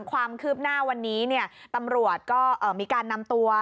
ความคืบหน้าวันนี้ตำรวจก็มีการนำตัว